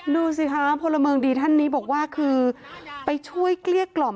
ดูสิคะพลเมืองดีท่านนี้บอกว่าคือไปช่วยเกลี้ยกล่อม